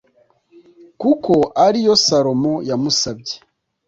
kuko ari yo salomo yamusabye.